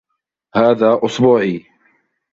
هذا اصبعي.